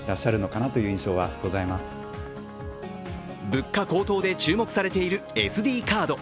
物価高騰で注目されているＳＤカード。